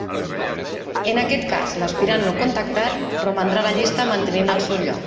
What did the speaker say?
En aquest cas l'aspirant no contactat romandrà a la llista mantenint el seu lloc.